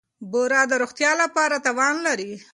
بوره د روغتیا لپاره تاوان لري.